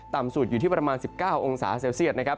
ต่ำสุดอยู่ที่ประมาณ๑๙องศาเซลเซียตนะครับ